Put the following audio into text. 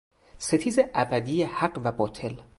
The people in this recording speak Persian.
ستیز ابدی حق و باطل